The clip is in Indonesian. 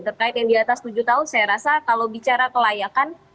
terkait yang di atas tujuh tahun saya rasa kalau bicara kelayakan